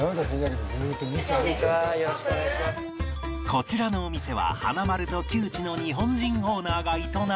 こちらのお店は華丸と旧知の日本人オーナーが営み